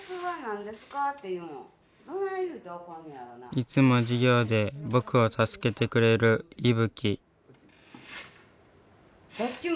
いつも授業で僕を助けてくれるいぶき。